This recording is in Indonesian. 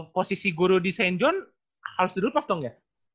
posisi guru di st john harus dilepas dong ya